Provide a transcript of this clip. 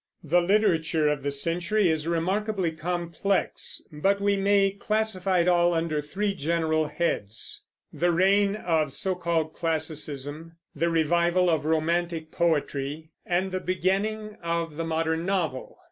The literature of the century is remarkably complex, but we may classify it all under three general heads, the Reign of so called Classicism, the Revival of Romantic Poetry, and the Beginning of the Modern Novel.